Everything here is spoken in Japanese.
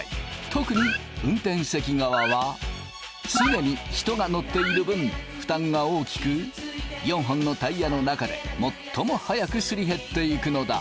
特に運転席側は常に人が乗っている分負担が大きく４本のタイヤの中で最も早くすり減っていくのだ。